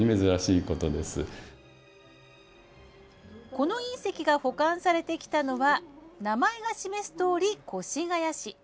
この隕石が保管されてきたのは名前が示すとおり、越谷市。